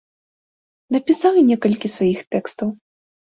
Напісаў і некалькі сваіх тэкстаў.